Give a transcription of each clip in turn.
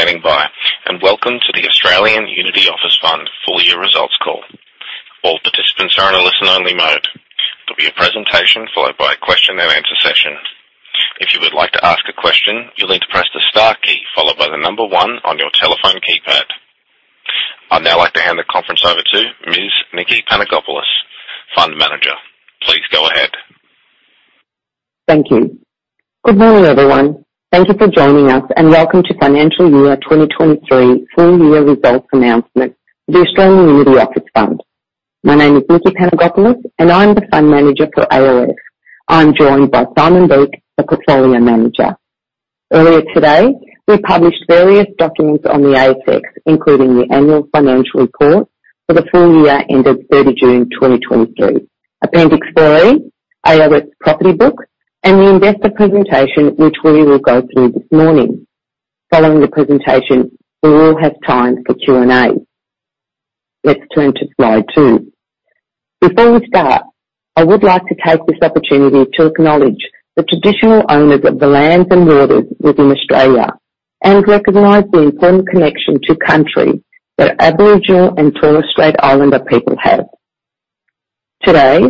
Thank you for standing by, and welcome to the Australian Unity Office Fund full year results call. All participants are in a listen-only mode. There'll be a presentation followed by a question and answer session. If you would like to ask a question, you'll need to press the star key followed by the number one on your telephone keypad. I'd now like to hand the conference over to Ms. Nikki Panagopoulos, Fund Manager. Please go ahead. Thank you. Good morning, everyone. Thank you for joining us, and welcome to financial year 2023 full year results announcement for the Australian Unity Office Fund. My name is Nikki Panagopoulos, and I'm the fund manager for AOF. I'm joined by Simon Beake, the portfolio manager. Earlier today, we published various documents on the ASX, including the annual financial report for the full year ended 30 June 2023, Appendix 3, AOF Property Book, and the investor presentation, which we will go through this morning. Following the presentation, we will have time for Q&A. Let's turn to slide 2. Before we start, I would like to take this opportunity to acknowledge the traditional owners of the lands and waters within Australia and recognize the important connection to country that Aboriginal and Torres Strait Islander people have. Today,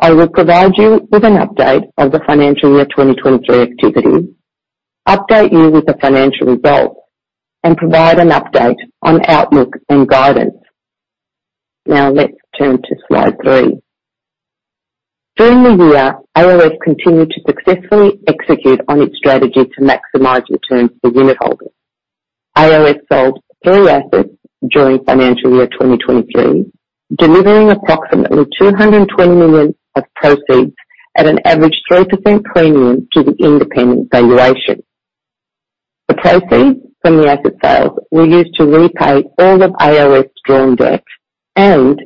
I will provide you with an update of the financial year 2023 activity, update you with the financial results, and provide an update on outlook and guidance. Now let's turn to slide 3. During the year, AOF continued to successfully execute on its strategy to maximize returns for unitholders. AOF sold 3 assets during financial year 2023, delivering approximately 220 million of proceeds at an average 3% premium to the independent valuation. The proceeds from the asset sales were used to repay all of AOF drawn debt and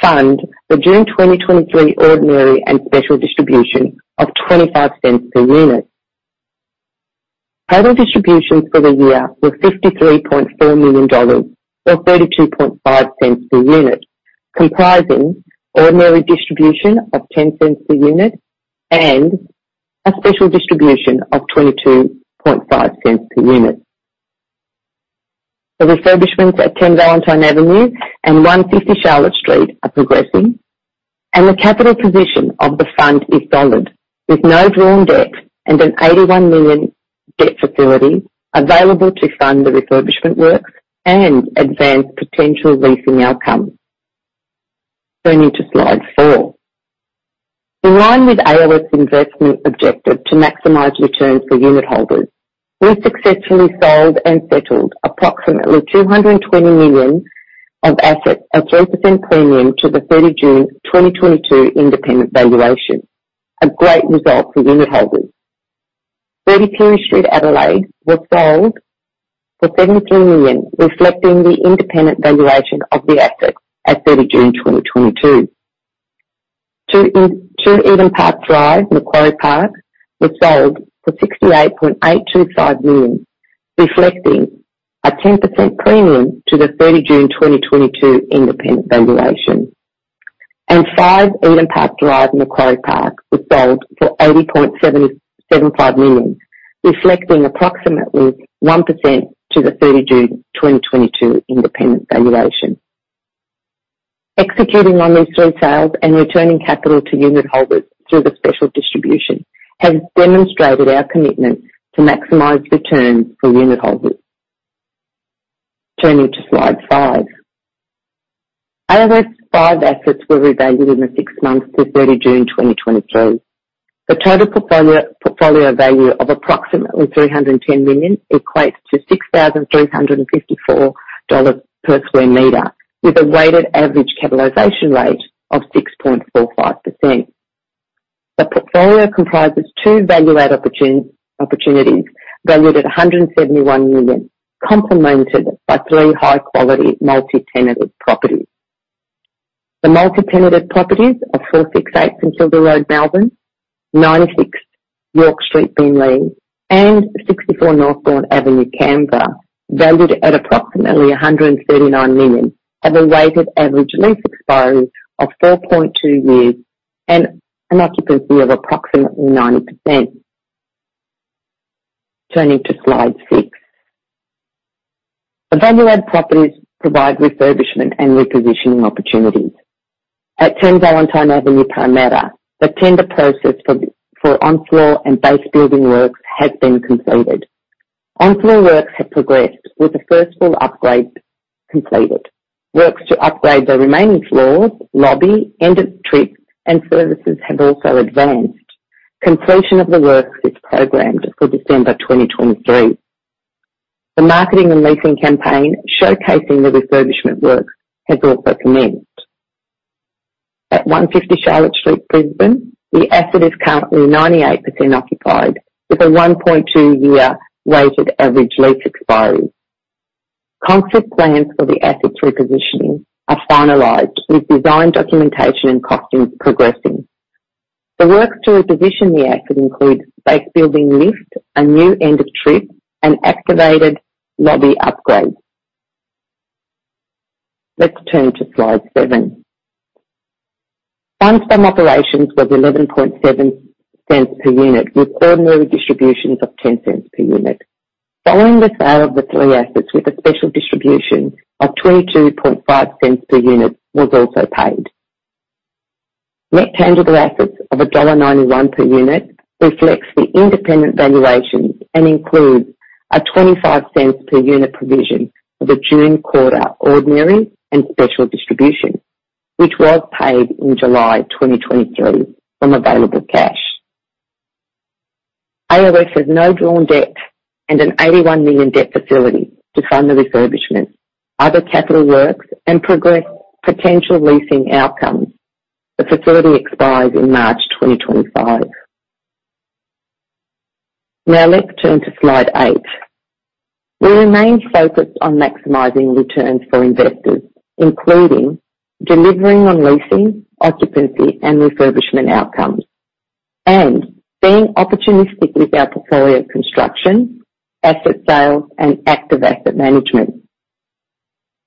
fund the June 2023 ordinary and special distribution of 0.25 per unit. Total distributions for the year were 53.4 million dollars, or 0.325 per unit, comprising ordinary distribution of 0.10 per unit and a special distribution of 0.225 per unit. The refurbishments at 10 Valentine Avenue and 150 Charlotte Street are progressing, and the capital position of the fund is solid, with no drawn debt and an 81 million debt facility available to fund the refurbishment works and advance potential leasing outcomes. Turning to slide four. In line with AOF investment objective to maximize returns for unitholders, we successfully sold and settled approximately 220 million of assets at 10% premium to the 30 June 2022 independent valuation. A great result for unitholders. 30 Pirie Street, Adelaide, was sold for AUD 73 million, reflecting the independent valuation of the assets at 30 June 2022. 2 Eden Park Drive, Macquarie Park, was sold for AUD 68.825 million, reflecting a 10% premium to the 30 June 2022 independent valuation. Five Eden Park Drive in Macquarie Park was sold for 80.775 million, reflecting approximately 1% to the 30 June 2022 independent valuation. Executing on these 3 sales and returning capital to unitholders through the special distribution has demonstrated our commitment to maximize returns for unitholders. Turning to slide 5. AOF's 5 assets were revalued in the 6 months to 30 June 2023. The total portfolio value of approximately 310 million equates to 6,354 dollars per sq m, with a weighted average capitalization rate of 6.45%. The portfolio comprises 2 value-add opportunities, valued at 171 million, complemented by 3 high-quality multi-tenanted properties. The multi-tenanted properties are 468 St Kilda Road, Melbourne, 96 York Street, Beenleigh, and 64 Northbourne Avenue, Canberra, valued at approximately 139 million, have a weighted average lease expiry of 4.2 years and an occupancy of approximately 90%. Turning to Slide 6. The value add properties provide refurbishment and repositioning opportunities. At 10 Valentine Avenue, Parramatta, the tender process for on-floor and base building works has been completed. On-floor works have progressed, with the first full upgrade completed. Works to upgrade the remaining floors, lobby, end of trip, and services have also advanced. Completion of the works is programmed for December 2023. The marketing and leasing campaign, showcasing the refurbishment works, has also commenced. At 150 Charlotte Street, Brisbane, the asset is currently 98% occupied, with a 1.2-year weighted average lease expiry. Concept plans for the asset's repositioning are finalized, with design, documentation and costing progressing. The works to reposition the asset includes base building lift, a new end-of-trip, and activated lobby upgrade… Let's turn to slide 7. Funds from operations was 0.117 per unit, with ordinary distributions of 0.10 per unit. Following the sale of the 3 assets, with a special distribution of 0.225 per unit was also paid. Net tangible assets of AUD 1.91 per unit reflects the independent valuations and includes a 0.25 per unit provision for the June quarter, ordinary and special distribution, which was paid in July 2023 from available cash. AOF has no drawn debt and an 81 million debt facility to fund the refurbishment, other capital works, and progress potential leasing outcomes. The facility expires in March 2025. Now, let's turn to slide eight. We remain focused on maximizing returns for investors, including delivering on leasing, occupancy, and refurbishment outcomes, and being opportunistic with our portfolio construction, asset sales, and active asset management.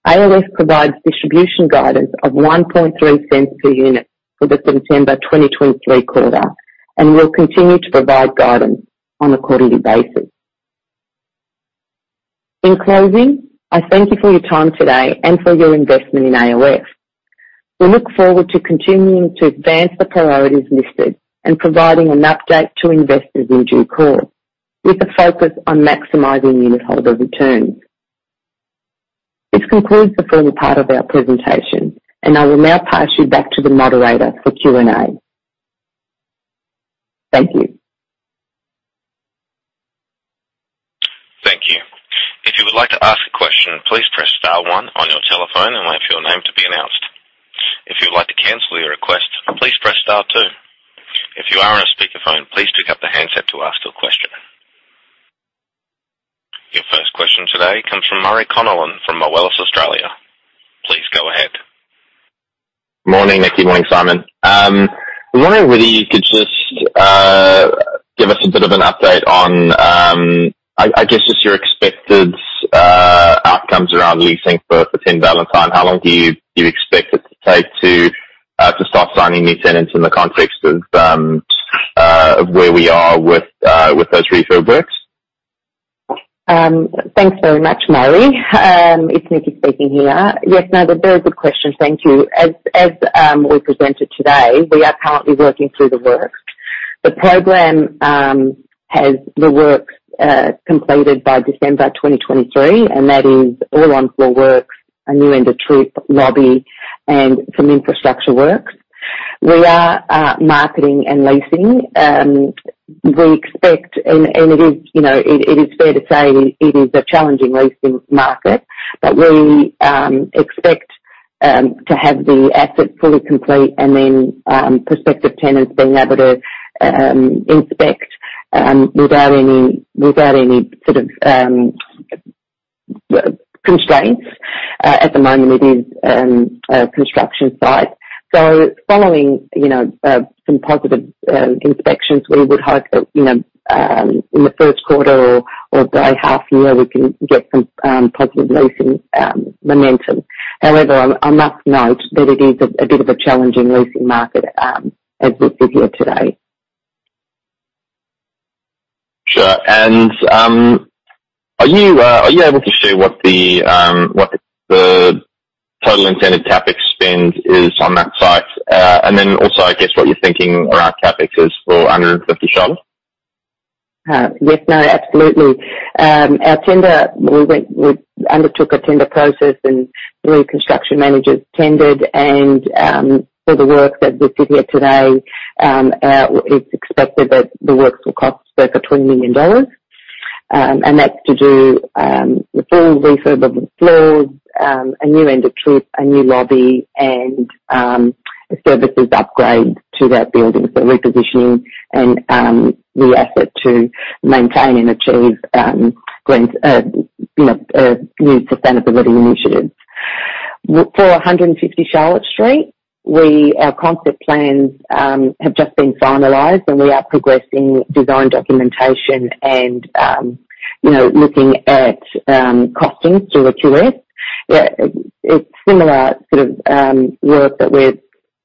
AOF provides distribution guidance of 0.013 per unit for the September 2023 quarter, and will continue to provide guidance on a quarterly basis. In closing, I thank you for your time today and for your investment in AOF. We look forward to continuing to advance the priorities listed and providing an update to investors in due course, with a focus on maximizing unitholder returns. This concludes the formal part of our presentation, and I will now pass you back to the moderator for Q&A. Thank you. Thank you. If you would like to ask a question, please press star one on your telephone and wait for your name to be announced. If you'd like to cancel your request, please press star two. If you are on a speakerphone, please pick up the handset to ask your question. Your first question today comes from Murray Connellan from Moelis Australia. Please go ahead. Morning, Nikki. Morning, Simon. I was wondering whether you could just give us a bit of an update on, I guess, just your expected outcomes around leasing for 10 Valentine. How long do you expect it to take to start signing new tenants in the context of where we are with those refurb works? Thanks very much, Murray. It's Nikki speaking here. Yes, no, they're very good questions. Thank you. As we presented today, we are currently working through the works. The program has the works completed by December 2023, and that is all on floor works, a new End of Trip lobby, and some infrastructure works. We are marketing and leasing. We expect, and it is, you know, it is fair to say it is a challenging leasing market, but we expect to have the asset fully complete and then prospective tenants being able to inspect without any sort of constraints. At the moment it is a construction site. So following, you know, some positive inspections, we would hope that, you know, in the first quarter or by half year, we can get some positive leasing momentum. However, I must note that it is a bit of a challenging leasing market as we sit here today. Sure. And, are you able to share what the total intended CapEx spend is on that site? And then also, I guess, what you're thinking around CapEx is for 150 Charlotte? Yes, no, absolutely. Our tender, we went—we undertook a tender process, and three construction managers tendered. And, for the work that we sit here today, it's expected that the works will cost about 20 million dollars. And that's to do with full refurb of the floors, a new end of trip, a new lobby, and services upgrade to that building. So repositioning and the asset to maintain and achieve green, you know, new sustainability initiatives. For 150 Charlotte Street, we—our concept plans have just been finalized, and we are progressing design documentation and, you know, looking at costings through a QS. Yeah, it's similar sort of work that we're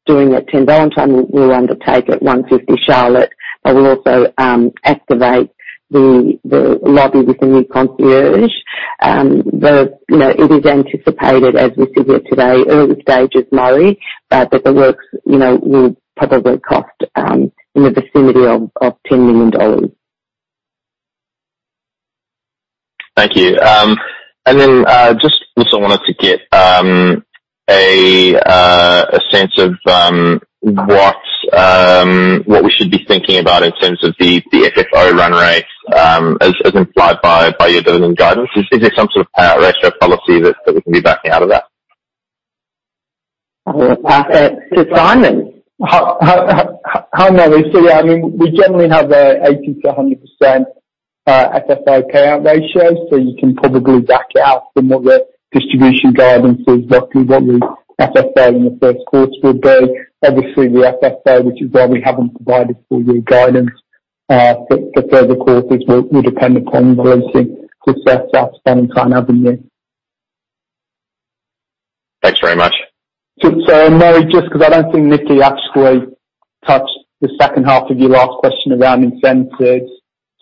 doing at 10 Valentine. We'll undertake at 150 Charlotte, but we'll also activate the lobby with a new concierge. You know, it is anticipated, as we sit here today, early stages, Murray, that the works, you know, will probably cost in the vicinity of 10 million dollars. Thank you. And then, just also wanted to get a sense of what we should be thinking about in terms of the FFO run rates, as implied by your billing guidance. Is there some sort of payout ratio policy that we can be backing out of that? To Simon? Hi, Murray. So yeah, I mean, we generally have a 80%-100% FFO payout ratio, so you can probably back it out from what the distribution guidance is, roughly what the FFO in the first quarter would be. Obviously, the FFO, which is why we haven't provided full year guidance for further quarters, will depend upon the leasing success at Valentine Avenue. Thanks very much. So Murray, just 'cause I don't think Nikki actually touched the second half of your last question around incentives.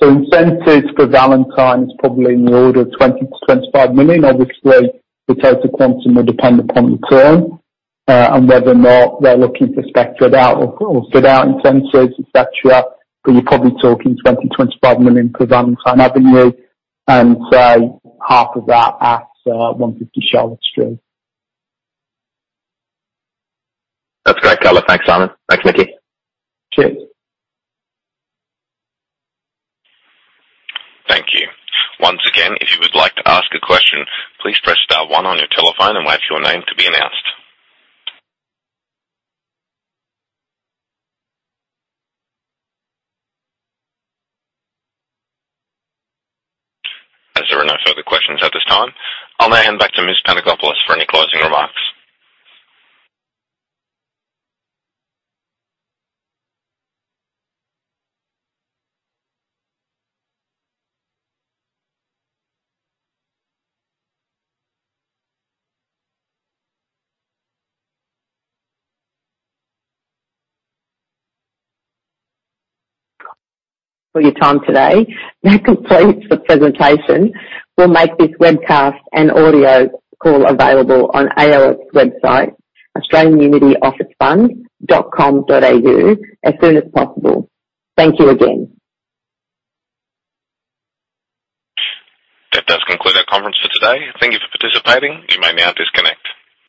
So incentives for Valentine is probably in the order of 20-25 million. Obviously, the total quantum will depend upon the term, and whether or not they're looking to spec it out or, or fit out incentives, et cetera, but you're probably talking 20-25 million for Valentine Avenue and, say, half of that at 150 Charlotte Street. That's great, color. Thanks, Simon. Thanks, Nikki. Cheers. Thank you. Once again, if you would like to ask a question, please press star one on your telephone and wait for your name to be announced. As there are no further questions at this time, I'll now hand back to Ms. Panagopoulos for any closing remarks. For your time today. That completes the presentation. We'll make this webcast and audio call available on AOF's website, australianunityofficefund.com.au, as soon as possible. Thank you again. That does conclude our conference for today. Thank you for participating. You may now disconnect.